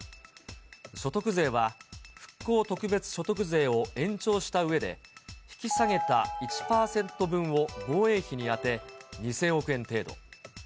所得税は、復興特別所得税を延長したうえで、引き下げた１％分を防衛費に充て、２０００億円程度。